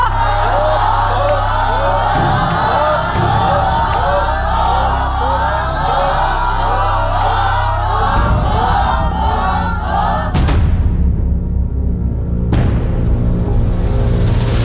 ถูก